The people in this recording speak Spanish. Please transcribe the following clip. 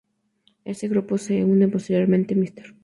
A este grupo se une posteriormente Mr.